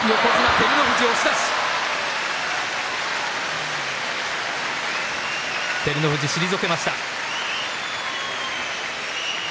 照ノ富士は退けました。